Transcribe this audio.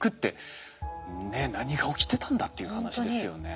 ねっ何が起きてたんだっていう話ですよね。